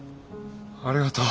ありがとう。